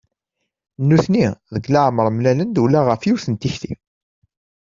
Nutni deg leɛmer mlalen-d ula ɣef yiwet n tikti.